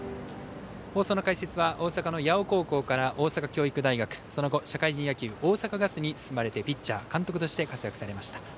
放送の解説は大阪の八尾高校から大阪教育大学、その後大阪ガスに進まれてピッチャー監督して活躍されました